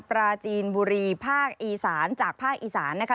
ปราจีนบุรีภาคอีสานจากภาคอีสานนะคะ